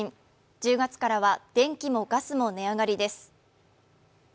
１０月からは電気もガスも値上がりです。